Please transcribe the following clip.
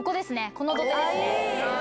この土手ですね。